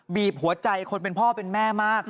บีบหัวใจคนเป็นพ่อเป็นแม่มาก